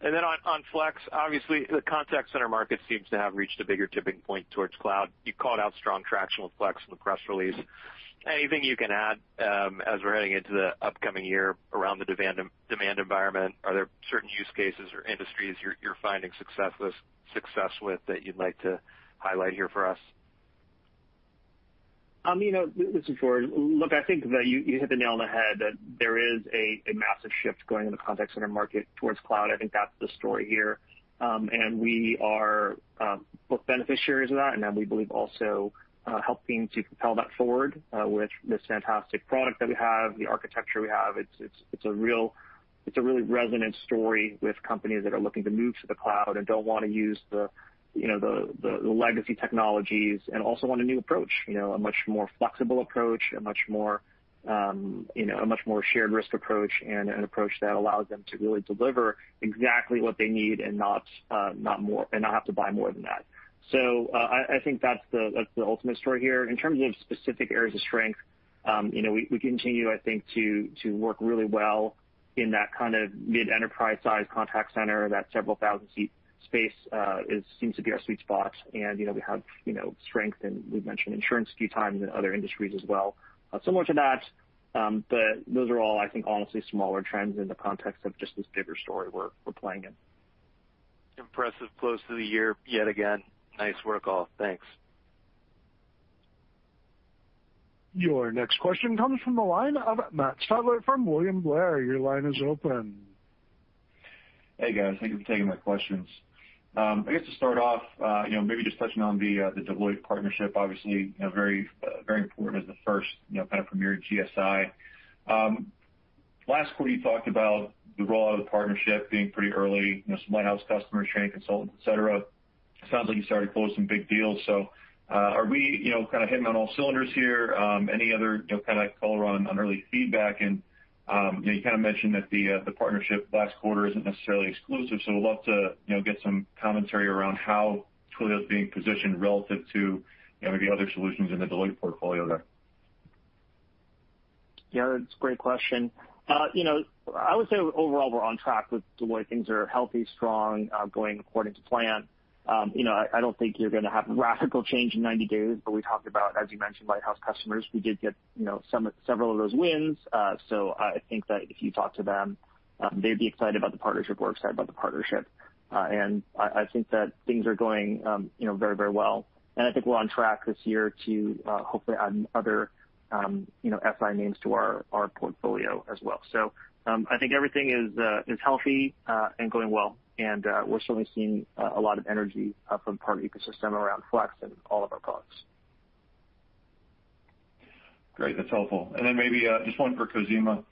L: Then on Flex, obviously the contact center market seems to have reached a bigger tipping point towards cloud. You called out strong traction with Flex in the press release. Anything you can add as we're heading into the upcoming year around the demand environment? Are there certain use cases or industries you're finding success with that you'd like to highlight here for us?
D: This is George. I think that you hit the nail on the head, that there is a massive shift going in the contact center market towards cloud. I think that's the story here. We are both beneficiaries of that, and then we believe also helping to propel that forward with this fantastic product that we have, the architecture we have. It's a really resonant story with companies that are looking to move to the cloud and don't want to use the legacy technologies, and also want a new approach, a much more flexible approach, a much more shared risk approach, and an approach that allows them to really deliver exactly what they need and not have to buy more than that. I think that's the ultimate story here. In terms of specific areas of strength, we continue, I think, to work really well in that kind of mid-enterprise size contact center, that several thousand seat space seems to be our sweet spot. We have strength in, we've mentioned insurance a few times, and other industries as well. Similar to that, but those are all, I think honestly, smaller trends in the context of just this bigger story we're playing in.
L: Impressive close to the year, yet again. Nice work all. Thanks.
A: Your next question comes from the line of Matt Stotler from William Blair. Your line is open.
M: Hey, guys. Thank you for taking my questions. I guess to start off, maybe just touching on the Deloitte partnership, obviously very important as the first kind of premier GSI. Last quarter, you talked about the rollout of the partnership being pretty early, some lighthouse customers, training consultants, et cetera. Sounds like you've started to close some big deals. Are we kind of hitting on all cylinders here? Any other kind of color on early feedback? You kind of mentioned that the partnership last quarter isn't necessarily exclusive, would love to get some commentary around how Twilio's being positioned relative to maybe other solutions in the Deloitte portfolio there.
D: That's a great question. I would say overall we're on track with Deloitte. Things are healthy, strong, going according to plan. I don't think you're going to have radical change in 90 days, but we talked about, as you mentioned, lighthouse customers. We did get several of those wins. I think that if you talk to them, they'd be excited about the partnership. We're excited about the partnership. I think that things are going very well. I think we're on track this year to hopefully add other SI names to our portfolio as well. I think everything is healthy and going well, and we're certainly seeing a lot of energy from partner ecosystem around Flex and all of our products.
M: Great. That's helpful. Maybe just one for Khozema.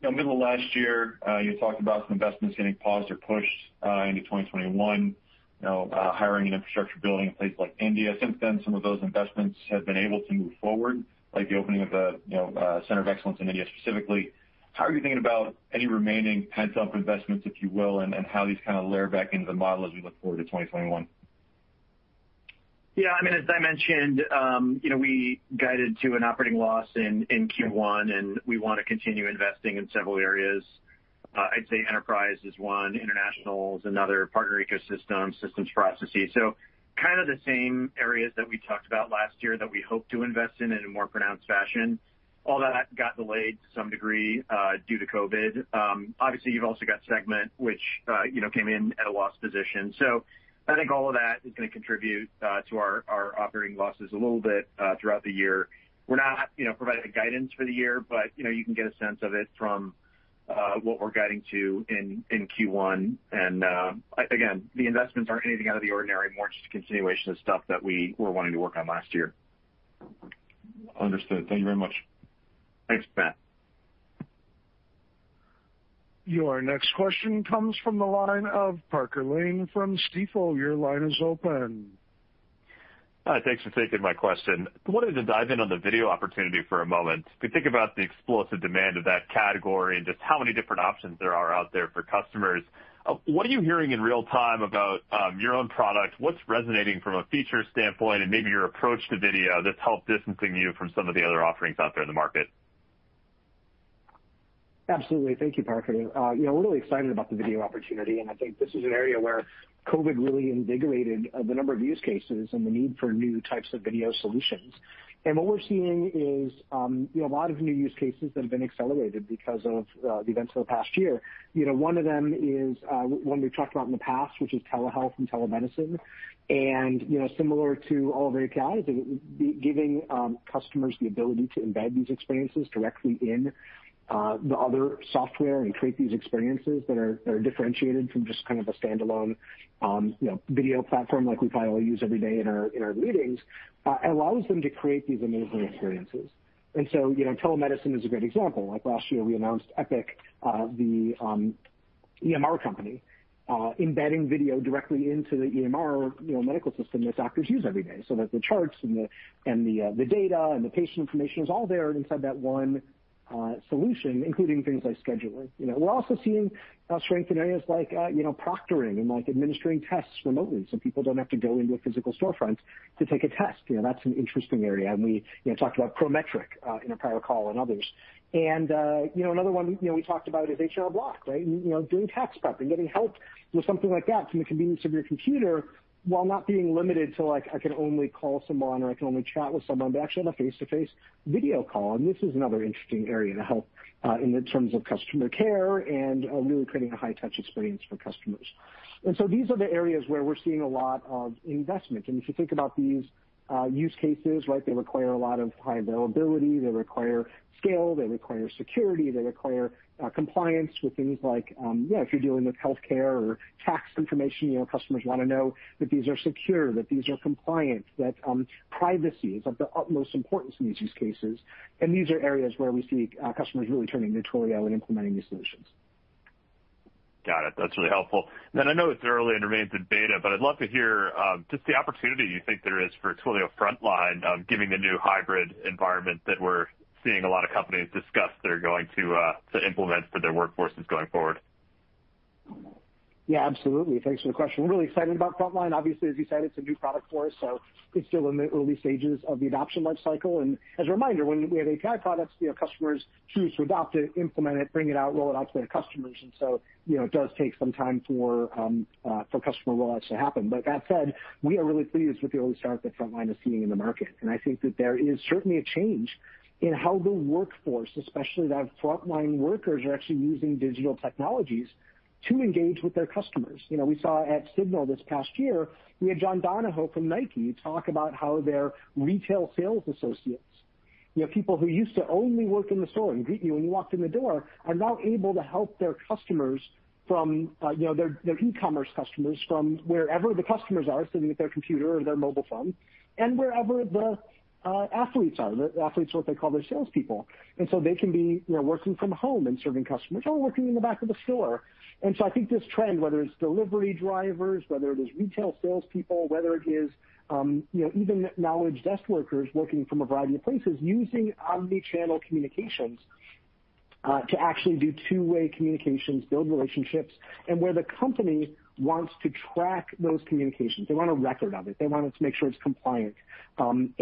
M: Middle of last year, you talked about some investments getting paused or pushed into 2021, hiring and infrastructure building in places like India. Since then, some of those investments have been able to move forward, like the opening of the Center of Excellence in India specifically. How are you thinking about any remaining pent-up investments, if you will, and how these kind of layer back into the model as we look forward to 2021?
E: Yeah, as I mentioned, we guided to an operating loss in Q1. We want to continue investing in several areas. I'd say enterprise is one, international is another, partner ecosystem, systems processes. Kind of the same areas that we talked about last year that we hope to invest in in a more pronounced fashion. All that got delayed to some degree due to COVID-19. Obviously, you've also got Segment, which came in at a loss position. I think all of that is going to contribute to our operating losses a little bit throughout the year. We're not providing guidance for the year, but you can get a sense of it from what we're guiding to in Q1. Again, the investments aren't anything out of the ordinary, more just a continuation of stuff that we were wanting to work on last year.
M: Understood. Thank you very much.
E: Thanks, Matt.
A: Your next question comes from the line of Parker Lane from Stifel. Your line is open.
N: Hi, thanks for taking my question. I wanted to dive in on the video opportunity for a moment. If you think about the explosive demand of that category and just how many different options there are out there for customers, what are you hearing in real time about your own product? What's resonating from a feature standpoint and maybe your approach to video that's helped distancing you from some of the other offerings out there in the market?
C: Absolutely. Thank you, Parker. We're really excited about the video opportunity, and I think this is an area where COVID really invigorated the number of use cases and the need for new types of video solutions. What we're seeing is a lot of new use cases that have been accelerated because of the events of the past year. One of them is one we've talked about in the past, which is telehealth and telemedicine. Similar to all of our APIs, giving customers the ability to embed these experiences directly in the other software and create these experiences that are differentiated from just kind of a standalone video platform like we probably all use every day in our meetings, allows them to create these amazing experiences. Telemedicine is a great example. Like last year, we announced Epic, the EMR company, embedding video directly into the EMR medical system that doctors use every day, so that the charts and the data and the patient information is all there inside that one solution, including things like scheduling. We're also seeing strength in areas like proctoring and administering tests remotely so people don't have to go into a physical storefront to take a test. That's an interesting area, and we talked about Prometric in a prior call and others. Another one we talked about is HR Block, right? Doing tax prep and getting help with something like that from the convenience of your computer, while not being limited to, like, I can only call someone, or I can only chat with someone, but actually have a face-to-face video call. This is another interesting area to help in the terms of customer care and really creating a high touch experience for customers. These are the areas where we're seeing a lot of investment. If you think about these use cases, right, they require a lot of high availability. They require scale, they require security, they require compliance with things like, if you're dealing with healthcare or tax information, customers want to know that these are secure, that these are compliant, that privacy is of the utmost importance in these use cases. These are areas where we see customers really turning to Twilio and implementing these solutions.
N: Got it. That's really helpful. I know it's early and remains in beta, but I'd love to hear just the opportunity you think there is for Twilio Frontline, given the new hybrid environment that we're seeing a lot of companies discuss they're going to implement for their workforces going forward.
C: Absolutely. Thanks for the question. We're really excited about Frontline. Obviously, as you said, it's a new product for us, so it's still in the early stages of the adoption life cycle. As a reminder, when we have API products, customers choose to adopt it, implement it, bring it out, roll it out to their customers, and so it does take some time for customer rollouts to happen. That said, we are really pleased with the early start that Frontline is seeing in the market, and I think that there is certainly a change in how the workforce, especially that of Frontline workers, are actually using digital technologies to engage with their customers. We saw at SIGNAL this past year, we had John Donahoe from Nike talk about how their retail sales associates, people who used to only work in the store and greet you when you walked in the door, are now able to help their customers from their e-commerce customers, from wherever the customers are sitting at their computer or their mobile phone, and wherever the athletes are. The athletes are what they call their salespeople. They can be working from home and serving customers or working in the back of the store. I think this trend, whether it's delivery drivers, whether it is retail salespeople, whether it is even knowledge desk workers working from a variety of places, using omnichannel communications to actually do two-way communications, build relationships, and where the company wants to track those communications. They want a record of it. They want it to make sure it's compliant, and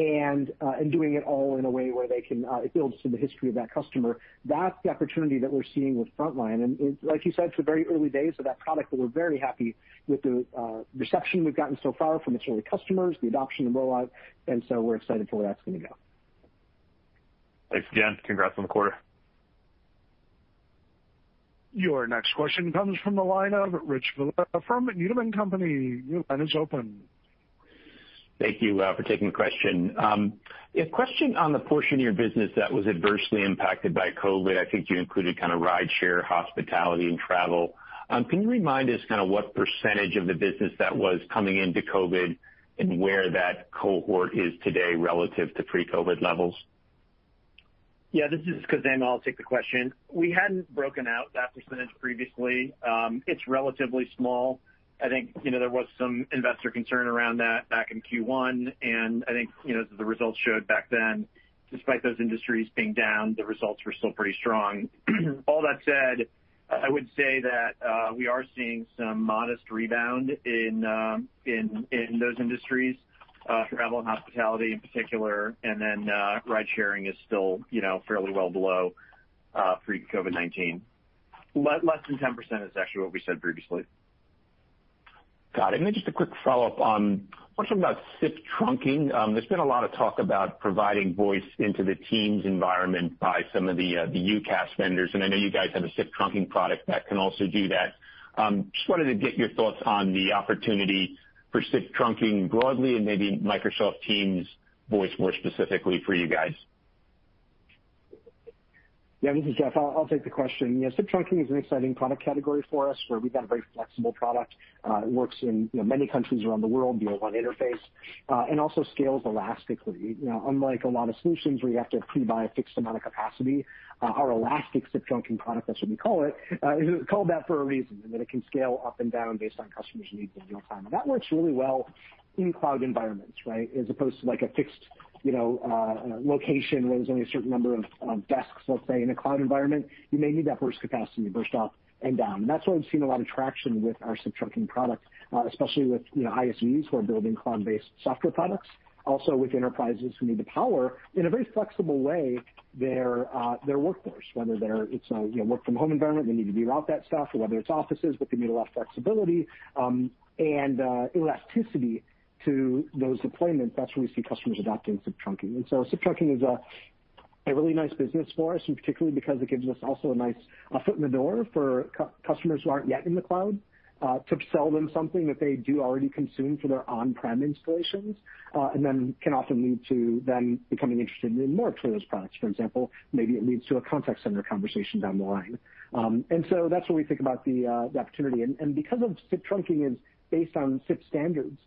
C: doing it all in a way where they can build some of the history of that customer. That's the opportunity that we're seeing with Frontline. Like you said, it's the very early days of that product, but we're very happy with the reception we've gotten so far from its early customers, the adoption and rollout, and so we're excited for where that's going to go.
N: Thanks again. Congrats on the quarter.
A: Your next question comes from the line of Rich Valera from Needham & Company. Your line is open.
O: Thank you for taking the question. A question on the portion of your business that was adversely impacted by COVID. I think you included kind of rideshare, hospitality, and travel. Can you remind us kind of what percentage of the business that was coming into COVID and where that cohort is today relative to pre-COVID levels?
E: Yeah. This is Khozema. I'll take the question. We hadn't broken out that percentage previously. It's relatively small. I think there was some investor concern around that back in Q1, and I think as the results showed back then, despite those industries being down, the results were still pretty strong. All that said, I would say that we are seeing some modest rebound in those industries, travel and hospitality in particular, and then ridesharing is still fairly well below pre-COVID-19. Less than 10% is actually what we said previously.
O: Got it. Just a quick follow-up on, I want to talk about SIP trunking. There's been a lot of talk about providing voice into the Teams environment by some of the UCaaS vendors, and I know you guys have a SIP trunking product that can also do that. Just wanted to get your thoughts on the opportunity for SIP trunking broadly and maybe Microsoft Teams voice more specifically for you guys.
C: This is Jeff. I'll take the question. SIP trunking is an exciting product category for us, where we've got a very flexible product. It works in many countries around the world via one interface, and also scales elastically. Unlike a lot of solutions where you have to pre-buy a fixed amount of capacity, our Elastic SIP Trunking product, that's what we call it, is called that for a reason, in that it can scale up and down based on customers' needs in real time. That works really well in cloud environments, as opposed to a fixed location where there's only a certain number of desks, let's say. In a cloud environment, you may need that burst capacity, burst up and down. That's why we've seen a lot of traction with our SIP trunking product, especially with ISVs who are building cloud-based software products. Also with enterprises who need to power, in a very flexible way, their workforce, whether it's a work from home environment, they need to reroute that stuff, or whether it's offices, but they need a lot of flexibility and elasticity to those deployments. That's where we see customers adopting SIP trunking. SIP trunking is a really nice business for us, and particularly because it gives us also a nice foot in the door for customers who aren't yet in the cloud, to sell them something that they do already consume for their on-prem installations, and then can often lead to them becoming interested in more Twilio's products. For example, maybe it leads to a contact center conversation down the line. That's where we think about the opportunity. Because SIP trunking is based on SIP standards,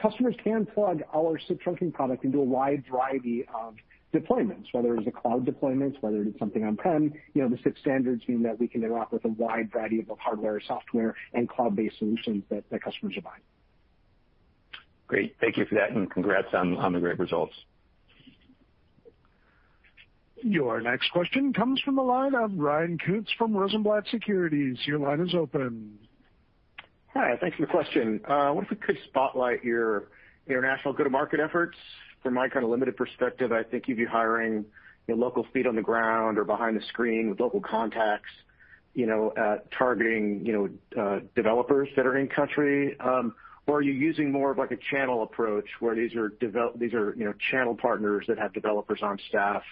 C: customers can plug our SIP trunking product into a wide variety of deployments, whether it is a cloud deployment, whether it is something on-prem. The SIP standards mean that we can interact with a wide variety of both hardware, software, and cloud-based solutions that the customers are buying.
O: Great. Thank you for that. Congrats on the great results.
A: Your next question comes from the line of Ryan Koontz from Rosenblatt Securities. Your line is open.
P: Hi, thanks for the question. I wonder if you could spotlight your international go-to-market efforts. From my kind of limited perspective, I think you'd be hiring local feet on the ground or behind the screen with local contacts, targeting developers that are in-country. Are you using more of a channel approach where these are channel partners that have developers on staff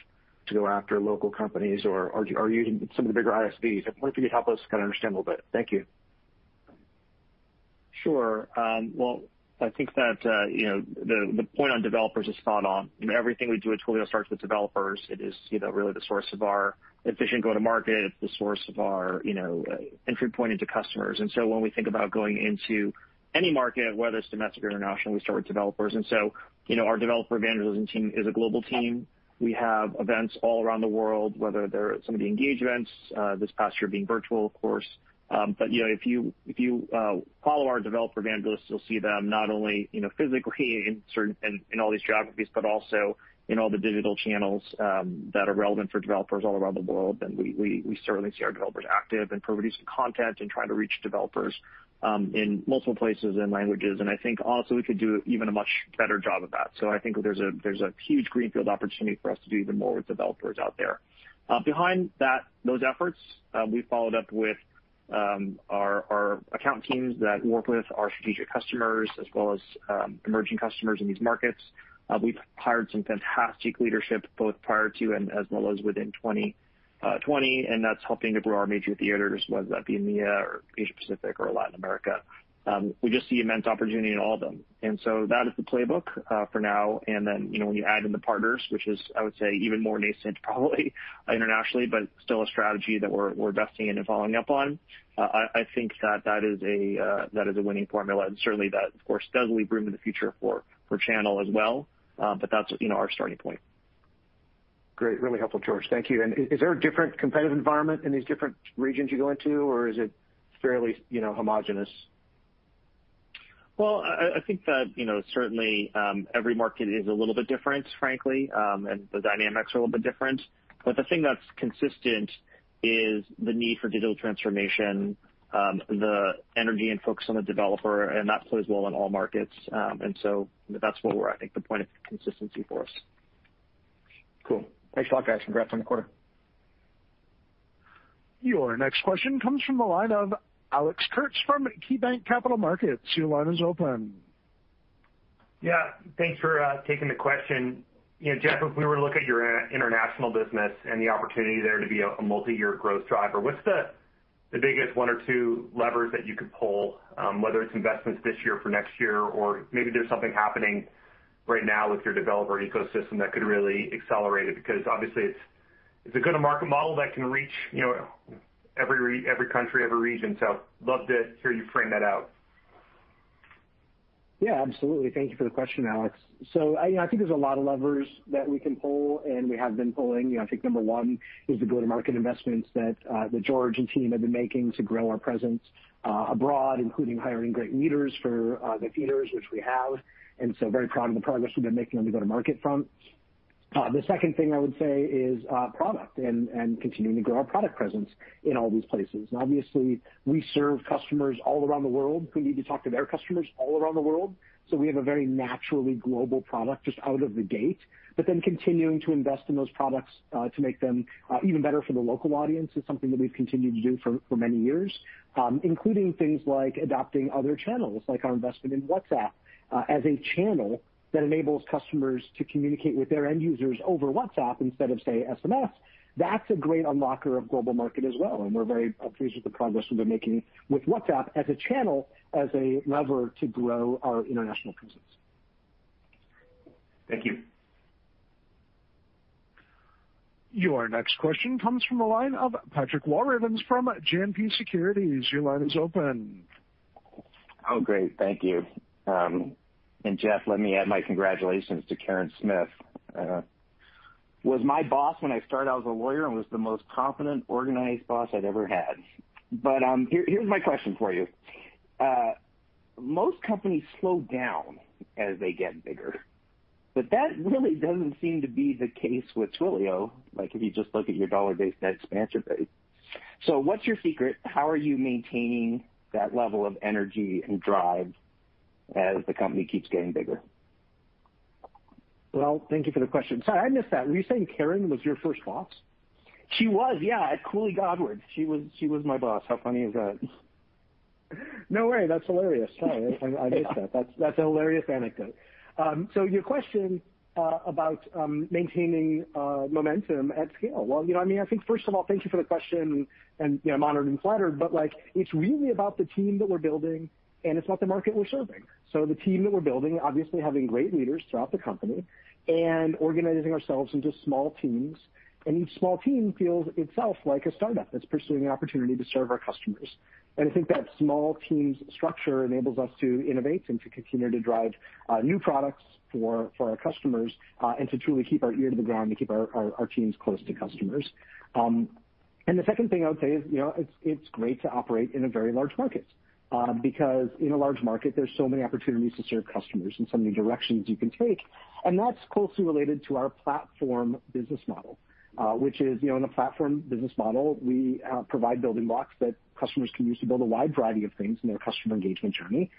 P: to go after local companies, or are you using some of the bigger ISVs? I wonder if you could help us kind of understand a little bit. Thank you.
D: Sure. Well, I think that the point on developers is spot on. Everything we do at Twilio starts with developers. It is really the source of our efficient go-to-market. It's the source of our entry point into customers. When we think about going into any market, whether it's domestic or international, we start with developers. Our developer evangelism team is a global team. We have events all around the world, whether they're some of the Engage events, this past year being virtual, of course. If you follow our developer evangelists, you'll see them not only physically in all these geographies, but also in all the digital channels that are relevant for developers all around the world. We certainly see our developers active and producing content and trying to reach developers in multiple places and languages. I think also we could do even a much better job of that. I think there's a huge greenfield opportunity for us to do even more with developers out there. Behind those efforts, we followed up with our account teams that work with our strategic customers as well as emerging customers in these markets. We've hired some fantastic leadership, both prior to and as well as within 2020, and that's helping to grow our major theaters, whether that be EMEA or Asia-Pacific or Latin America. We just see immense opportunity in all of them. That is the playbook for now. When you add in the partners, which is, I would say, even more nascent, probably, internationally, but still a strategy that we're investing in and following up on. I think that is a winning formula. Certainly that, of course, does leave room in the future for channel as well. That's our starting point.
P: Great. Really helpful, George. Thank you. Is there a different competitive environment in these different regions you go into, or is it fairly homogenous?
D: Well, I think that certainly every market is a little bit different, frankly. The dynamics are a little bit different. The thing that's consistent is the need for digital transformation, the energy and focus on the developer, and that plays well in all markets. That's where I think the point of consistency for us.
P: Cool. Thanks a lot, guys. Congrats on the quarter.
A: Your next question comes from the line of Alex Kurtz from KeyBanc Capital Markets. Your line is open.
Q: Yeah. Thanks for taking the question. Jeff, if we were to look at your international business and the opportunity there to be a multi-year growth driver, what's the biggest one or two levers that you could pull, whether it's investments this year for next year or maybe there's something happening right now with your developer ecosystem that could really accelerate it? Obviously it's a go-to-market model that can reach every country, every region. Love to hear you frame that out.
C: Absolutely. Thank you for the question, Alex. I think there's a lot of levers that we can pull, and we have been pulling. I think number one is the go-to-market investments that George and team have been making to grow our presence abroad, including hiring great leaders for the theaters, which we have. Very proud of the progress we've been making on the go-to-market front. The second thing I would say is product, and continuing to grow our product presence in all these places. Obviously, we serve customers all around the world who need to talk to their customers all around the world, so we have a very naturally global product just out of the gate. Continuing to invest in those products to make them even better for the local audience is something that we've continued to do for many years, including things like adopting other channels, like our investment in WhatsApp as a channel that enables customers to communicate with their end users over WhatsApp instead of, say, SMS. That's a great unlocker of global market as well, and we're very pleased with the progress we've been making with WhatsApp as a channel, as a lever to grow our international presence.
Q: Thank you.
A: Your next question comes from the line of Patrick Walravens from JMP Securities. Your line is open.
R: Oh, great. Thank you. Jeff, let me add my congratulations to Karyn Smith. Was my boss when I started out as a lawyer and was the most confident, organized boss I'd ever had. Here's my question for you. Most companies slow down as they get bigger, but that really doesn't seem to be the case with Twilio, like if you just look at your dollar-based net expansion rate. What's your secret? How are you maintaining that level of energy and drive as the company keeps getting bigger?
C: Thank you for the question. Sorry, I missed that. Were you saying Karyn was your first boss?
R: She was, yeah, at Cooley Godward. She was my boss. How funny is that.
C: No way. That's hilarious. Sorry, I missed that. That's a hilarious anecdote. Your question, about maintaining momentum at scale. Well, I think first of all, thank you for the question, and I'm honored and flattered, but it's really about the team that we're building and it's about the market we're serving. The team that we're building, obviously having great leaders throughout the company and organizing ourselves into small teams, and each small team feels itself like a startup that's pursuing the opportunity to serve our customers. I think that small teams structure enables us to innovate and to continue to drive new products for our customers, and to truly keep our ear to the ground, to keep our teams close to customers. The second thing I would say is, it's great to operate in a very large market, because in a large market, there's so many opportunities to serve customers and so many directions you can take. That's closely related to our platform business model, which is, in a platform business model, we provide building blocks that customers can use to build a wide variety of things in their customer engagement journey.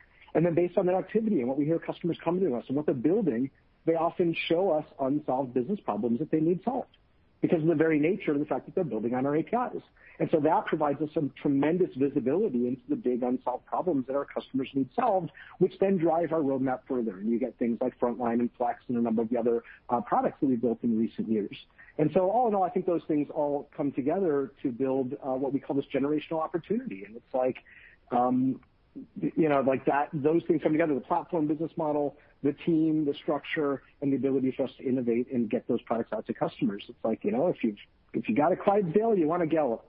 C: Based on that activity and what we hear customers coming to us and what they're building, they often show us unsolved business problems that they need solved because of the very nature of the fact that they're building on our APIs. That provides us some tremendous visibility into the big unsolved problems that our customers need solved, which then drive our roadmap further, and you get things like Frontline and Flex and a number of the other products that we've built in recent years. All in all, I think those things all come together to build what we call this generational opportunity. It's like those things come together, the platform business model, the team, the structure, and the ability for us to innovate and get those products out to customers. It's like if you got a Clydesdale, you want to gallop.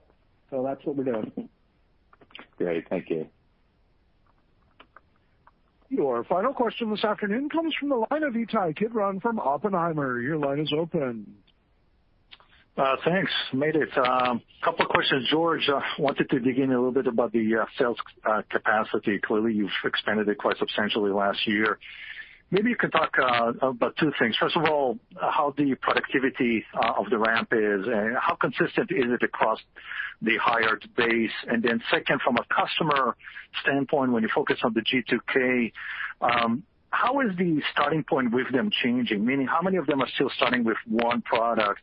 C: That's what we're doing.
R: Great. Thank you.
A: Your final question this afternoon comes from the line of Ittai Kidron from Oppenheimer. Your line is open.
S: Thanks. Made it. Couple questions, George. I wanted to dig in a little bit about the sales capacity. Clearly, you've expanded it quite substantially last year. Maybe you can talk about two things. First of all, how the productivity of the ramp is, and how consistent is it across the hired base? Second, from a customer standpoint, when you focus on the G2K, how is the starting point with them changing? Meaning, how many of them are still starting with one product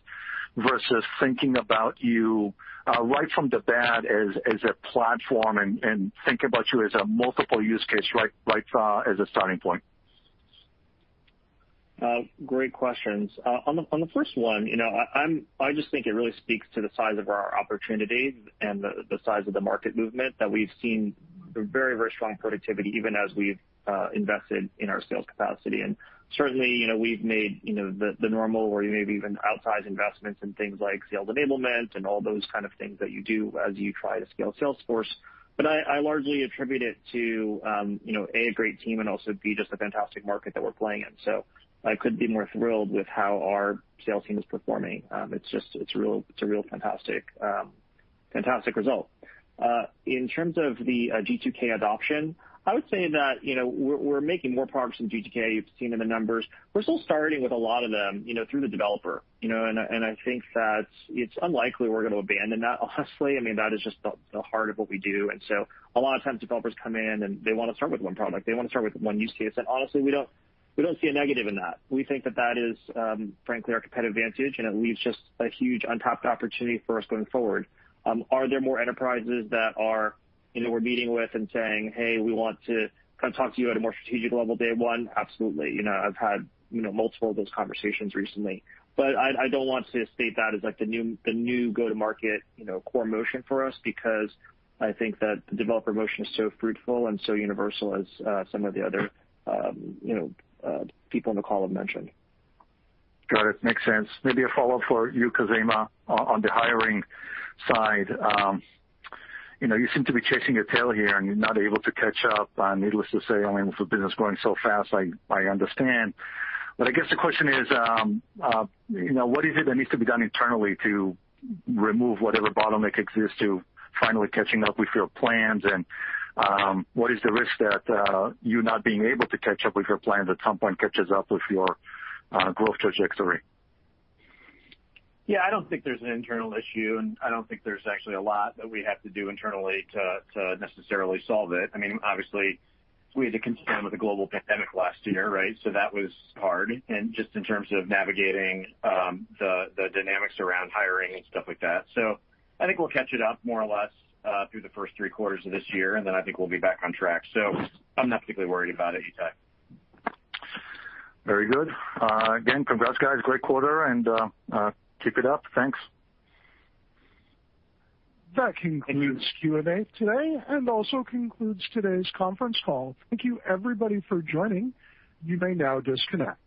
S: versus thinking about you, right from the bat as a platform and thinking about you as a multiple use case, right as a starting point?
D: Great questions. On the first one, I just think it really speaks to the size of our opportunity and the size of the market movement that we've seen very strong productivity even as we've invested in our sales capacity. Certainly, we've made the normal or maybe even outsized investments in things like sales enablement and all those kind of things that you do as you try to scale sales force. I largely attribute it to, A, a great team and also, B, just a fantastic market that we're playing in. I couldn't be more thrilled with how our sales team is performing. It's a real fantastic result. In terms of the G2K adoption, I would say that we're making more progress in G2K. You've seen in the numbers. We're still starting with a lot of them through the developer. I think that it's unlikely we're going to abandon that, honestly. That is just the heart of what we do. A lot of times developers come in and they want to start with one product. They want to start with one use case, and honestly, we don't see a negative in that. We think that that is, frankly, our competitive advantage, and it leaves just a huge untapped opportunity for us going forward. Are there more enterprises that we're meeting with and saying, hey, we want to talk to you at a more strategic level, day one? Absolutely. I've had multiple of those conversations recently. I don't want to state that as like the new go-to-market core motion for us, because I think that the developer motion is so fruitful and so universal as some of the other people on the call have mentioned.
S: Got it. Makes sense. Maybe a follow-up for you, Khozema, on the hiring side. You seem to be chasing your tail here, and you're not able to catch up. Needless to say, with the business growing so fast, I understand. I guess the question is, what is it that needs to be done internally to remove whatever bottleneck exists to finally catching up with your plans and what is the risk that you not being able to catch up with your plans at some point catches up with your growth trajectory?
E: I don't think there's an internal issue, and I don't think there's actually a lot that we have to do internally to necessarily solve it. Obviously, we had to contend with the global pandemic last year, right? That was hard, and just in terms of navigating the dynamics around hiring and stuff like that. I think we'll catch it up more or less, through the first three quarters of this year, and then I think we'll be back on track. I'm not particularly worried about it, Ittai.
S: Very good. Again, congrats guys. Great quarter and keep it up. Thanks.
A: That concludes Q&A today and also concludes today's conference call. Thank you everybody for joining. You may now disconnect.